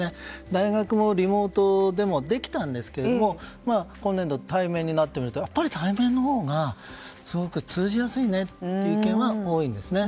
大学もリモートでもできたんですけども今年度、対面になってみると対面になったほうが通じやすいねという意見が多いんですね。